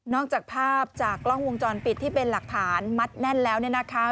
จากภาพจากกล้องวงจรปิดที่เป็นหลักฐานมัดแน่นแล้วเนี่ยนะคะ